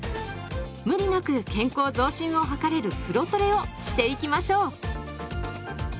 無理なく健康増進を図れる風呂トレをしていきましょう。